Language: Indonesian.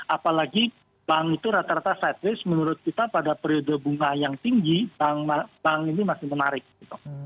apalagi bank itu rata rata side risk menurut kita pada periode bunga yang tinggi bank ini masih menarik gitu